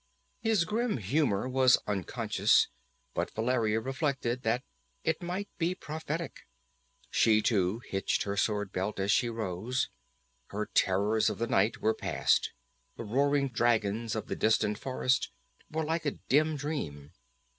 His grim humor was unconscious, but Valeria reflected that it might be prophetic. She too hitched her sword belt as she rose. Her terrors of the night were past. The roaring dragons of the distant forest were like a dim dream.